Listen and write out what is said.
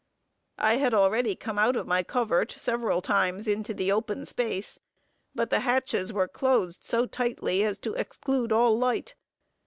I had already come out of my covert several times into the open space; but the hatches were closed so tightly, as to exclude all light.